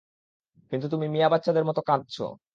কিন্তু তুমি মিয়া বাচ্চাদের মতো কাঁদছ।